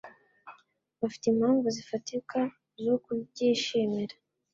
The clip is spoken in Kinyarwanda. Bafite impamvu zifatika zo kubyishimira.